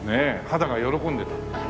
肌が喜んでた。